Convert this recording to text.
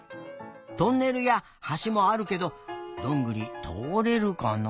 トンネルやはしもあるけどどんぐりとおれるかな？